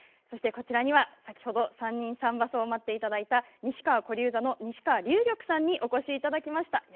そしてこちらには先ほど「三人三番叟」を舞っていただいた西川古柳座の西川柳玉さんにお越しいただきました。